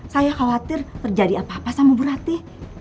saya khawatir terjadi apa apa sama bu rati